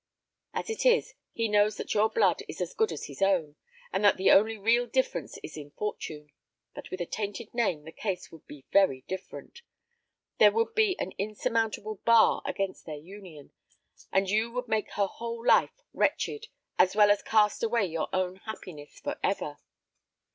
As it is, he knows that your blood is as good as his own, and that the only real difference is in fortune; but with a tainted name the case would be very different. There would be an insurmountable bar against their union, and you would make her whole life wretched, as well as cast away your own happiness for ever."